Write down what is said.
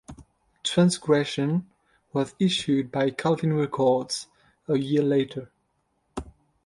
"Transgression" was issued by Calvin Records a year later.